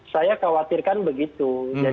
saya khawatirkan begitu